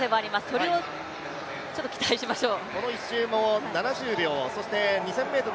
それをちょっと期待しましょう。